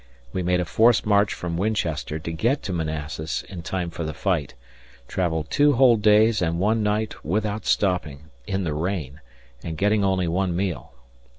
We made a forced march from Winchester to get to Manassas in time for the fight, travelled two whole days and one night without stopping (in the rain) and getting only one meal.